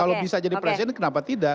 kalau bisa jadi presiden kenapa tidak